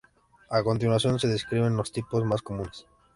A continuación se describen los tipos más comunes.